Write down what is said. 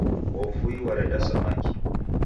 W'avui w'areda samaki.